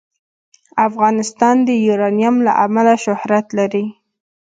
افغانستان د یورانیم له امله شهرت لري.